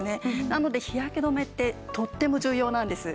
なので日焼け止めってとっても重要なんです。